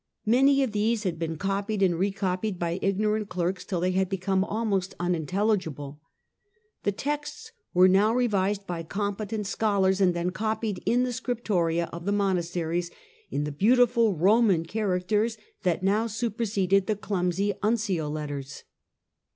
Many of these had been copied and recopied by ignorant clerks till they had become almost unintelligible. The texts were now revised by competent scholars and then copied in the scriptoria of the monasteries in the beautiful Boman characters that now superseded the clumsy uncial letters.